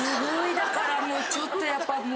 だからもうちょっとやっぱもう。